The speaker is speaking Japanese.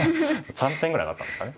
３点ぐらい上がったんですかね。